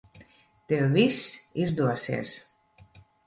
Tev viss izdosies.